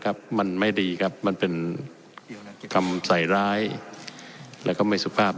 ครับมันไม่ดีครับมันเป็นคำใส่ร้ายแล้วก็ไม่สุภาพ